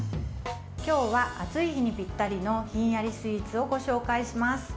今日は暑い日にぴったりのひんやりスイーツをご紹介します。